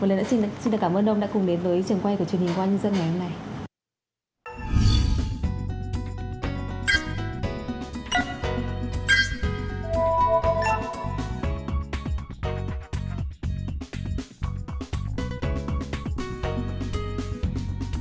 một lần nữa xin cảm ơn ông đã cùng đến với trường quay của truyền hình công an nhân dân ngày hôm nay